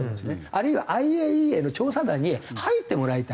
あるいはＩＡＥＡの調査団に入ってもらいたい。